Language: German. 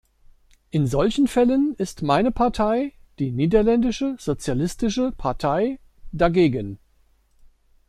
In solchen Fällen ist meine Partei, die niederländische Sozialistische Partei, dagegen.